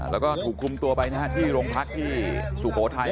แล้วก็ถูกคุมตัวไปนะฮะที่โรงพักที่สุโขทัย